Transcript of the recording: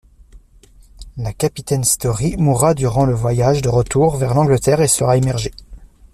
La capitaine Storry mourra durant le voyage de retour vers l'Angleterre et sera immergé.